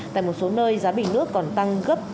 tại một số nơi giá bình nước còn tăng gấp